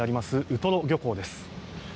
ウトロ漁港です。